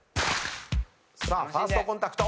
さあファーストコンタクト。